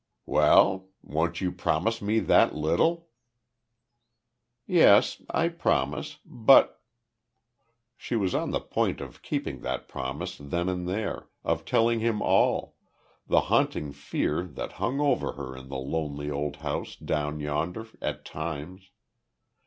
"Well? Won't you promise that little?" "Yes. I promise. But " She was on the point of keeping that promise then and there, of telling him all, the haunting fear that hung over her in the lonely old house down yonder, at times.